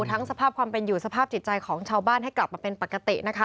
สภาพความเป็นอยู่สภาพจิตใจของชาวบ้านให้กลับมาเป็นปกตินะคะ